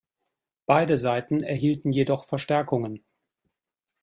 Beide Seiten erhielten jedoch Verstärkungen.